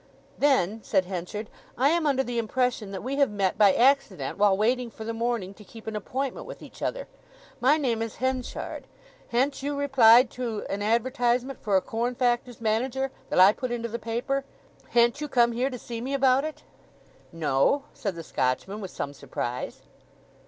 "Then," said Henchard, "I am under the impression that we have met by accident while waiting for the morning to keep an appointment with each other? My name is Henchard, ha'n't you replied to an advertisement for a corn factor's manager that I put into the paper—ha'n't you come here to see me about it?" "No," said the Scotchman, with some surprise.